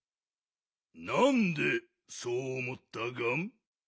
なんでそうおもったガン？